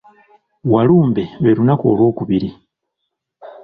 Walumbe lwe lunaku olwokubiri.